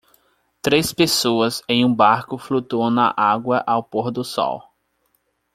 Três pessoas em um barco flutuam na água ao pôr do sol.